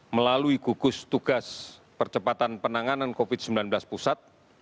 melalui gugus tugas percepatan penanganan covid sembilan belas pusat